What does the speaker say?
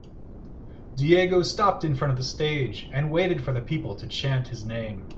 Diego stopped in front of the stage and waited for people to chant his name.